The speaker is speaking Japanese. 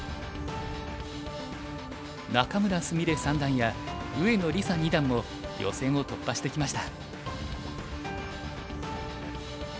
仲邑菫三段や上野梨紗二段も予選を突破してきました。